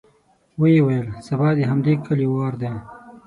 ويې ويل: سبا د همدې کليو وار دی.